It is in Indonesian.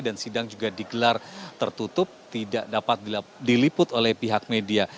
dan sidang juga digelar tertutup tidak dapat diliput oleh pihak media